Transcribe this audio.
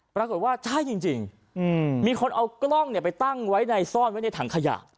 ปรากฏว่าใช่จริงมีคนเอากล้องไปตั้งไว้ในซ่อนไว้ในถังขยะ